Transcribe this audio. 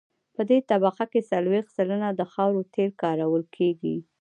په دې طبقه کې څلویښت سلنه د خاورو تیل کارول کیږي